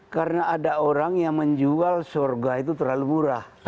karena ada orang yang menjual surga itu terlalu murah